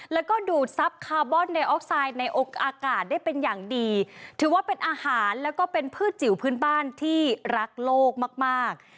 แล้วก็ดูดทรัพย์คาร์บอนไดออกไซด์ในอากาศได้เป็นอย่างดีถือว่าเป็นอาหารแล้วก็เป็นพืชจิ๋วพื้นบ้านที่รักโลกมากมาก